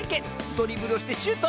ドリブルをしてシュート！